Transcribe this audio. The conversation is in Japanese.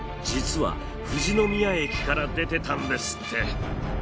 実は富士宮駅から出てたんですって。